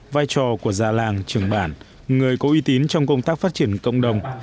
vai trò của gia làng trường bản người có uy tín trong công tác phát triển cộng đồng